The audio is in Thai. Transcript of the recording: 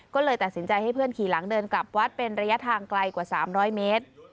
ก็เลยตัดสินใจให้เพื่อนขี่หลังเดินกลับวัดเป็นระยะทางไกลกว่า๓๐๐เมตร